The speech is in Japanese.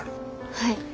はい。